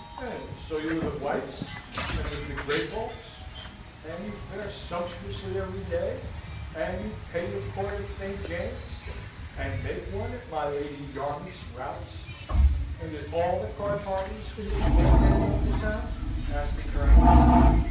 "And so you live at White's, and with the great folks; and you fare sumptuously every day, and you pay your court at St. James's, and make one at my Lady Yarmouth's routs, and at all the card parties in the Court end of the town?" asks the Colonel.